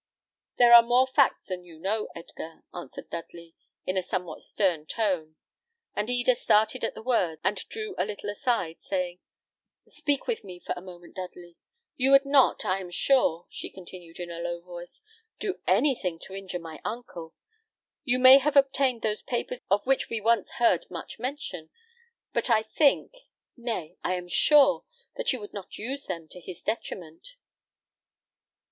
"There are more facts than you know, Edgar," answered Dudley, in a somewhat stern tone; and Eda started at the words, and drew a little aside, saying, "Speak with me for a moment, Dudley. You would not, I am sure," she continued, in a low voice, "do anything to injure my uncle. You may have obtained those papers of which we once heard much mention; but I think nay, I am sure that you would not use them to his detriment."